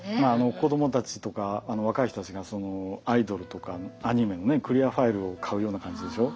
子どもたちとか若い人たちがアイドルとかアニメのクリアファイルを買うような感じでしょ。